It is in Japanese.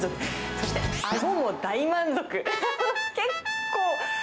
そして、あごも大満足。